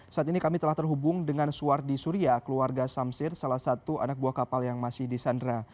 saat ini kami telah terhubung dengan suwardi surya keluarga samsir salah satu anak buah kapal yang masih disandra